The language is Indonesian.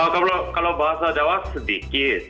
kalau bahasa jawa sedikit